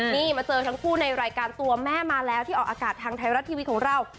นี่มาเจอทั้งคู่ในรายการตัวแม่มาแล้วที่ออกอากาศทางไทยรัฐทีวีของเรา